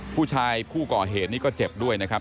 ผู้ก่อเหตุนี้ก็เจ็บด้วยนะครับ